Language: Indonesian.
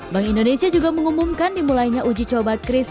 bank indonesia juga mengumumkan dimulainya uji coba kris